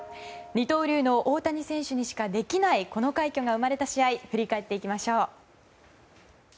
二刀流の大谷選手にしかできないこの快挙が生まれた試合を振り返っていきましょう。